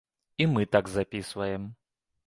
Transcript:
І мы так запісваем.